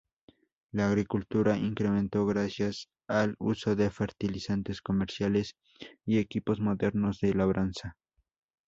La agricultura incremento gracias al uso de fertilizantes comerciales y equipos modernos de labranza.